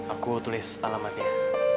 aku tulis alamatnya